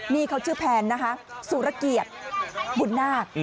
นี่เขาชื่อแพนนะคะสุรเกียรติบุญนาค